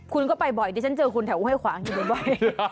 คุณก็ไปบ่อยดิฉันเจอคุณแถวห้วยขวางอยู่บนบ่อย